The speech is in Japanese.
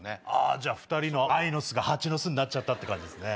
じゃあ２人の愛の巣が蜂の巣になっちゃった感じですね。